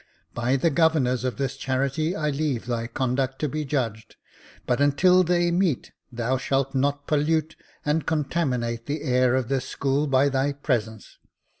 By the governors of this charity I leave thy conduct to be judged j but until they meet, thou shalt not pollute and contaminate the air of this school by thy presence.